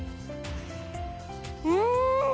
うん！